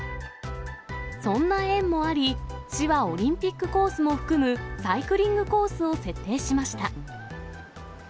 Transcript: そんな縁もあり、市はオリンピックコースも含むサイクリングコースを設定しました。